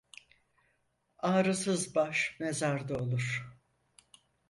Ağrısız baş mezarda olur.